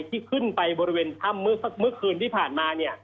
ที่ขึ้นไปบริเวณถ้ำเมื่อคืนที่ผ่านมา